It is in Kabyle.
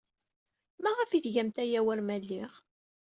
Maɣef ay tgamt aya war ma lliɣ?